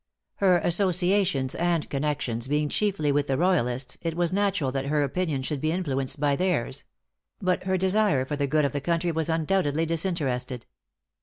Her associations and connections being chiefly with the royalists, it was natural that her opinions should be influenced by theirs; but her desire for the good of the country was undoubtedly disinterested.